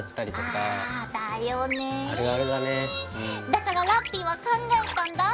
だからラッピィは考えたんだ。